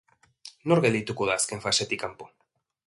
Nor geldituko da azken fasetik kanpo?